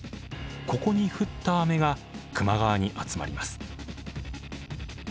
ここに降った雨が球磨川に集まります。